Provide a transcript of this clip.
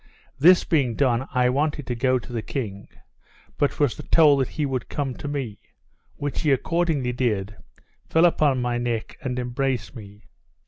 This being done, I wanted to go to the king, but was told that he would come to me; which he accordingly did, fell upon my neck, and embraced me.